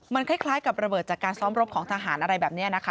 มันคล้ายกับระเบิดจากการซ้อมรบของทหารอะไรแบบนี้นะคะ